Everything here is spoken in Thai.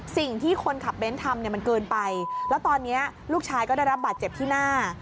สิ่งที่คนขับเบ้นทำเนี่ยมันเกินไปแล้วตอนนี้ลูกชายก็ได้รับบาดเจ็บที่หน้า